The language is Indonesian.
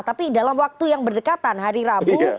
tapi dalam waktu yang berdekatan hari rabu